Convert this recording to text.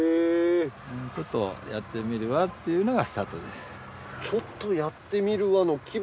ちょっとやってみれば？っていうのがスタートです。